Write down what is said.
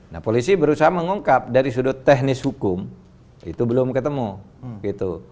nah polisi berusaha mengungkap dari sudut teknis hukum itu belum ketemu gitu